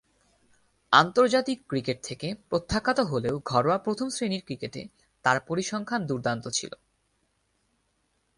আন্তর্জাতিক ক্রিকেট থেকে প্রত্যাখ্যাত হলেও ঘরোয়া প্রথম-শ্রেণীর ক্রিকেটে তার পরিসংখ্যান দূর্দান্ত ছিল।